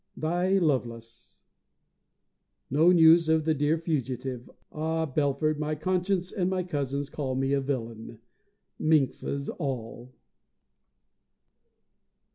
Thy LOVELACE. No news of the dear fugitive! Ah, Belford, my conscience and my cousins call me a villain! Minxes all.